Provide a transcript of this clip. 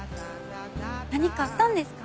何かあったんですか？